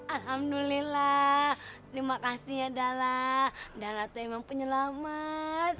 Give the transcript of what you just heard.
alhamdulillah terima kasih ya dalla dalla itu memang penyelamat